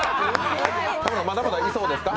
まだまだいそうですか？